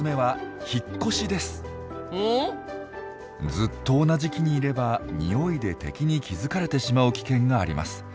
ずっと同じ木にいれば匂いで敵に気付かれてしまう危険があります。